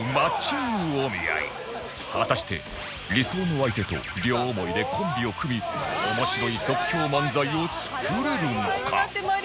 果たして理想の相手と両思いでコンビを組み面白い即興漫才を作れるのか？